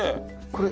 これ。